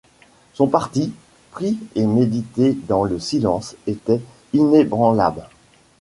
Son parti, pris et médité dans le silence, était inébranlable.